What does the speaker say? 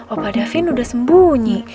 opa davin udah sembunyi